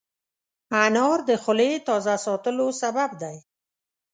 انار د خولې تازه ساتلو سبب دی.